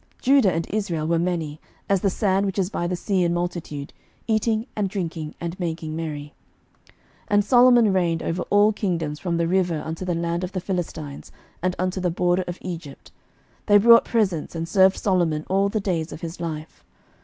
11:004:020 Judah and Israel were many, as the sand which is by the sea in multitude, eating and drinking, and making merry. 11:004:021 And Solomon reigned over all kingdoms from the river unto the land of the Philistines, and unto the border of Egypt: they brought presents, and served Solomon all the days of his life.